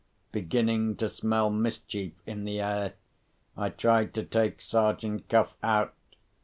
Beginning to smell mischief in the air, I tried to take Sergeant Cuff out.